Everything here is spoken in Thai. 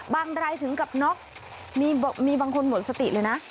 รายถึงกับน็อกมีบางคนหมดสติเลยนะ